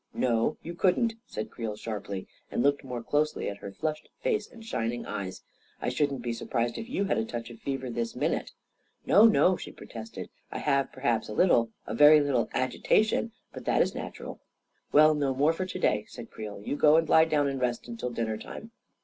"No, you couldn't," said Creel sharply, and looked more closely at her flushed face and shining eyes. " I shouldn't be surprised if you had a touch of fever this minute !"" No, no I " she protested " I have, perhaps, a 194 A KING IN BABYLON little — a very little agitation ; but that is natural." " Well, no more for to day," said Creel. " You go and lie down and rest till dinner time."